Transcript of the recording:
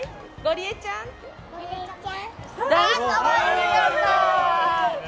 ありがとう。